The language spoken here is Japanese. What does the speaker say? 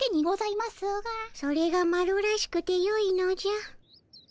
それがマロらしくてよいのじゃ。